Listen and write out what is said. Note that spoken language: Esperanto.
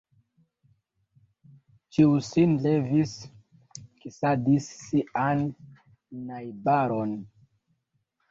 Ĉiu sin levis, kisadis sian najbaron.